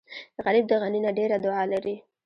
غریب د غني نه ډېره دعا لري